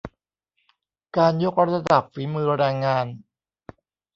การยกระดับฝีมือแรงงาน